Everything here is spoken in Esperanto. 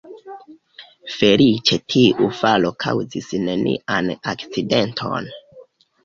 Feliĉe tiu falo kaŭzis nenian akcidenton.